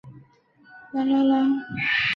圣费利德帕利埃。